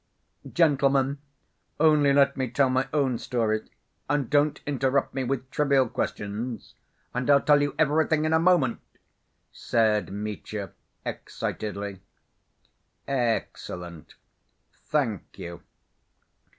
"Gentlemen, only let me tell my own story and don't interrupt me with trivial questions and I'll tell you everything in a moment," said Mitya excitedly. "Excellent! Thank you.